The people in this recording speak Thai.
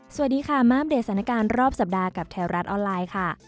สวัสดีค่ะมาอัปเดตสถานการณ์รอบสัปดาห์กับแถวรัฐออนไลน์ค่ะ